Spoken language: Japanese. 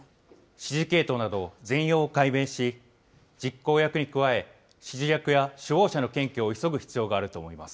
指示系統など、全容を解明し、実行役に加え、指示役や首謀者の検挙を急ぐ必要があると思います。